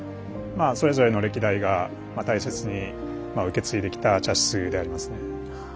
それぞれの歴代が大切に受け継いできた茶室でありますね。